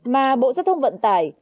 mà bộ giao thông vận tải